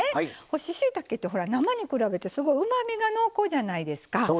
干ししいたけって生に比べてすごい、うまみが濃厚じゃないですか。